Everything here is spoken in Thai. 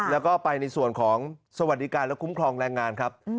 แล้วก็ไปในส่วนของสวัสดิการและคุ้มครองแรงงานครับ